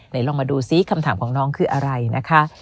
ลองมาดูซิคำถามของน้องคืออะไรนะคะ